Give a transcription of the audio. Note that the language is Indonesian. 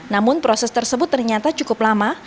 namun proses tersebut ternyata cukup lama